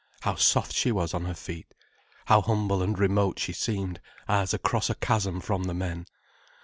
How soft she was on her feet. How humble and remote she seemed, as across a chasm from the men.